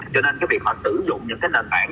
cho nên việc sử dụng những nền tảng